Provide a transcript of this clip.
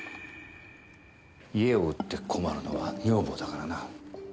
家を売って困るのは女房だからな。